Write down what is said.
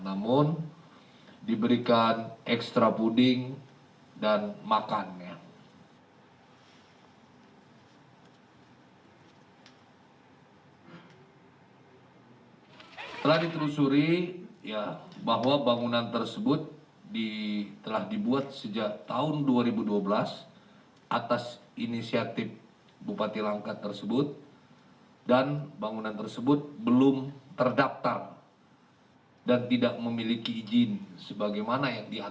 namun diberikan ekstra puding dan makannya